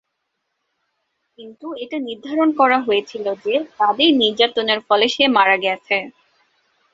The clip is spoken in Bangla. কিন্তু এটা নির্ধারণ করা হয়েছিল যে তাদের নির্যাতনের ফলে সে মারা গেছে।